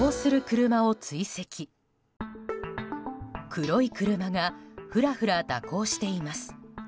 黒い車がフラフラ蛇行しています。